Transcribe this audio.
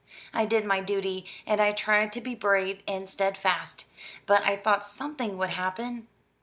I did my duty, and I tried to be brave and steadfast. But I thought something would happen."